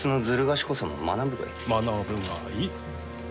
学ぶがいい。